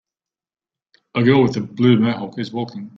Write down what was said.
A girl with a blue Mohawk is walking.